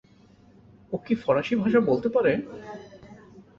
ও কি ফরাশি ভাষা বলতে পারে?